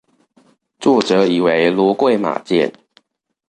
作者以為騾貴馬賤